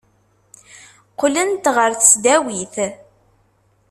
Qqlent ɣer tesdawit.